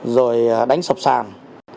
rồi đánh sập sàng